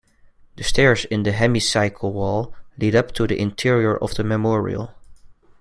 The stairs in the Hemicycle wall lead up into the interior of the memorial.